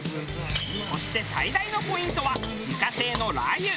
そして最大のポイントは自家製のラー油。